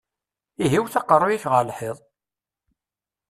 Ihi wwet aqeṛṛu-yik ɣer lḥiḍ!